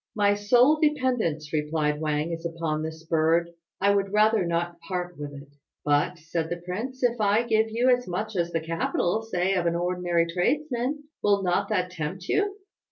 "My sole dependence," replied Wang, "is upon this bird. I would rather not part with it." "But," said the prince, "if I give you as much as the capital, say of an ordinary tradesman, will not that tempt you?"